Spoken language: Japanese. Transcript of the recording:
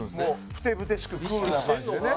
ふてぶてしくクールな感じでね。